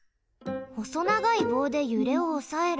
ほそながいぼうでゆれをおさえる。